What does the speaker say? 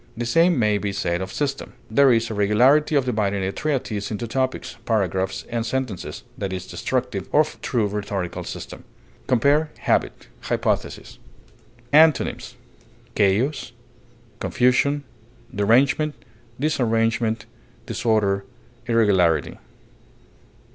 The same may be said of system. There is a regularity of dividing a treatise into topics, paragraphs, and sentences, that is destructive of true rhetorical system. Compare HABIT; HYPOTHESIS. Antonyms: chaos, derangement, disarrangement, disorder, irregularity.